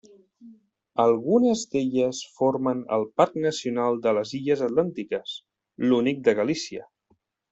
Algunes d'elles formen el Parc Nacional de les Illes Atlàntiques, l'únic de Galícia.